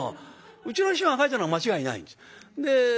うちの師匠が書いたのは間違いないんです。